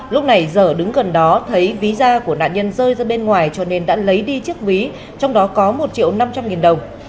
lúc này dở đứng gần đó thấy ví da của nạn nhân rơi ra bên ngoài cho nên đã lấy đi chiếc ví trong đó có một triệu năm trăm linh nghìn đồng